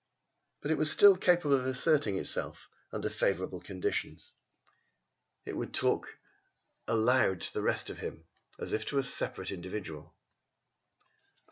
But it was still capable of asserting itself under favourable conditions. It would talk aloud to the rest of him as if to a separate individual.